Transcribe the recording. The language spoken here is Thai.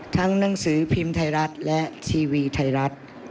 หนังสือพิมพ์ไทยรัฐและทีวีไทยรัฐ